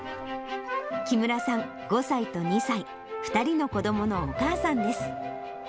紀村さん、５歳と２歳、２人の子どものお母さんです。